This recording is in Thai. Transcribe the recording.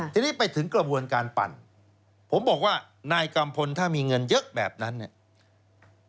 ทีนี้ไปถึงกระบวนการปั่นผมบอกว่านายกัมพลถ้ามีเงินเยอะแบบนั้นเนี่ย